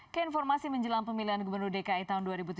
keinformasi menjelang pemilihan gubernur dki tahun dua ribu tujuh belas